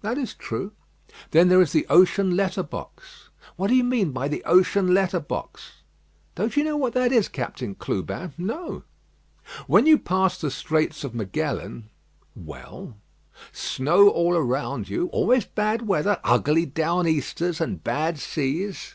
"That is true." "Then there is the ocean letter box." "What do you mean by the ocean letter box?" "Don't you know what that is, Captain Clubin?" "No." "When you pass the straits of Magellan " "Well." "Snow all round you; always bad weather; ugly down easters, and bad seas."